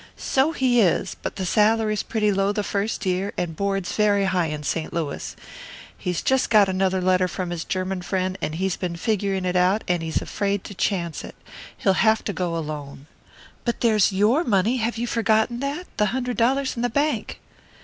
"So he is; but the salary's pretty low the first year, and board's very high in St. Louis. He's jest got another letter from his German friend, and he's been figuring it out, and he's afraid to chance it. He'll have to go alone." "But there's your money have you forgotten that? The hundred dollars in the bank."